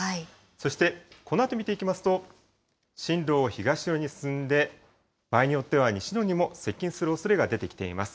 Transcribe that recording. そして、このあと見ていきますと、進路を東寄りに進んで、場合によっては西日本にも接近するおそれが出てきています。